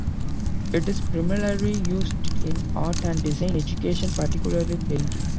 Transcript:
It is primarily used in art and design education, particularly painting.